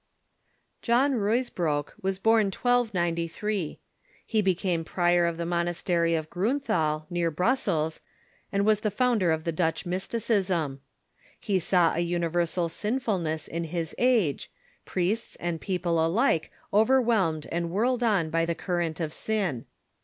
John Ruysbroek Avas born in 1293. He became prior of the monastery of Griinthal, near Brussels, and was the founder of the Dutch Mysticism. He saw a universal sinfulness in his age, priests and people alike overwhelmed and whirled on by the current of sin.